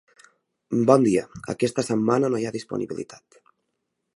Bon dia, aquesta setmana no hi ha disponibilitat.